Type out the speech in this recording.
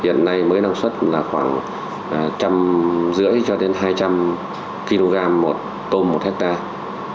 hiện nay mới năng suất khoảng một trăm năm mươi hai trăm linh kg một tôm một hectare